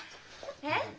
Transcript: えっ？